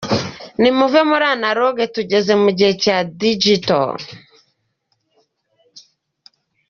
Nimuve muri analogue tugeze mu gihe cya digital.